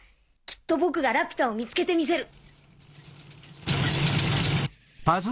きっと僕がラピュタを見つけてみせる。